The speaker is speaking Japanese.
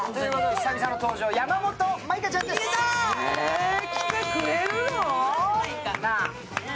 久々の登場、山本舞香ちゃんです来てくれるの！？